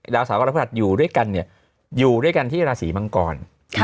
ดาวเสาร์กับดาวพระรหัสอยู่ด้วยกันเนี่ยอยู่ด้วยกันที่ราศีมังกร